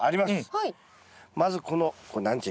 はい。